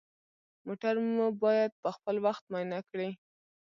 موټر مو باید پخپل وخت معاینه کړئ.